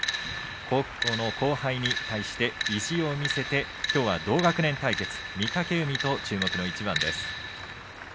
高校の後輩に対して意地を見せてきょうは同学年対決、御嶽海と注目の一番です。